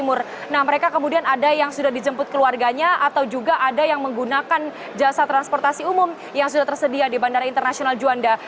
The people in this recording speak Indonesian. mereka kemudian ada yang sudah dijemput keluarganya atau juga ada yang menggunakan jasa transportasi umum yang sudah tersedia di bandara internasional juanda